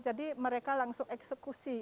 jadi mereka langsung eksekusi